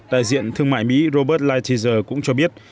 đại diện thương mại mỹ robert lighthizer cũng cho biết